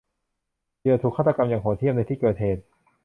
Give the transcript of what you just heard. เหยื่อถูกฆาตกรรมอย่างโหดเหี้ยมในที่เกิดเหตุ